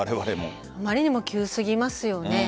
あまりにも急すぎますよね。